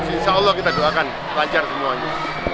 insya allah kita doakan lancar semuanya